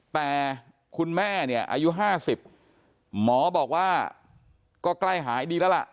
แต่คุณแม่เนี่ยอายุ๕๐หมอบอกว่าก็ใกล้หายดีแล้วล่ะ